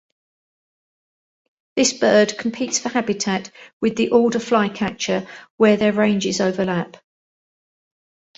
This bird competes for habitat with the alder flycatcher where their ranges overlap.